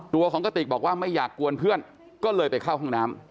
ตัวของกระติกบอกว่าไม่อยากกวนเพื่อนก็เลยไปเข้าห้องน้ำ